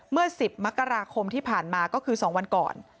เมื่อ๑๐มกราคมที่ผ่านมาก็คือ๒วันก่อน